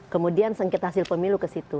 kemudian sengketa hasil pemilu ke situ